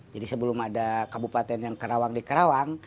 jadi sebelum ada kabupaten yang karawang di karawang